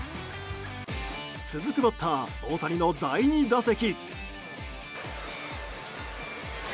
続くバッター大谷の第２打席。